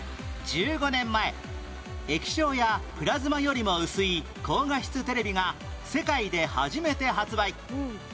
１５年前液晶やプラズマよりも薄い高画質テレビが世界で初めて発売